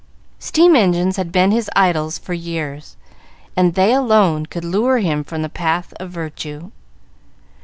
Steam engines had been his idols for years, and they alone could lure him from the path of virtue.